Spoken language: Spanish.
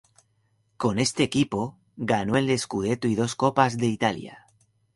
Con este equipo ganó el Scudetto y dos Copas de Italia.